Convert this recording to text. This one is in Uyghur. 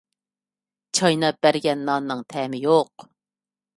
چايناپ بەرگەن ناننىڭ تەمى يوق.